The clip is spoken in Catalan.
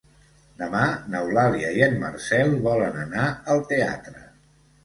Demà n'Eulàlia i en Marcel volen anar al teatre.